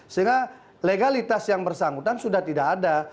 sehingga legalitas yang bersangkutan sudah tidak ada